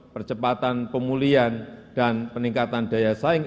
percepatan pemulihan dan peningkatan daya saing